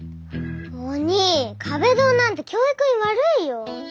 おにぃ壁ドンなんて教育に悪いよ。